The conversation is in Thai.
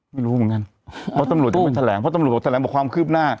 ไม่รู้เหมือนกันเพราะตำรวจจะเป็นแสลงเพราะตำรวจแสลงบอกว่าความคืบหน้า